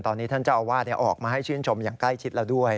ตอนนี้ท่านเจ้าอาวาสออกมาให้ชื่นชมอย่างใกล้ชิดแล้วด้วย